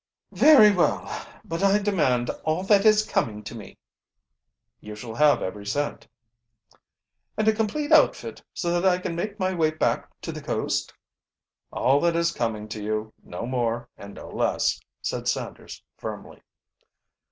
"Very well. But I demand all that is coming to me." "You shall have every cent." "And a complete outfit, so that I can make my way back to the coast." "All that is coming to you no more and no less," said Sanders firmly.